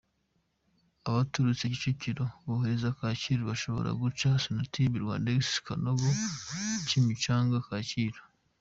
Abaturutse Kicukiro berekeza Kacyiru bashobora guca Sonatubes- Rwandex –Kanogo –Kimicanga – Kacyiru.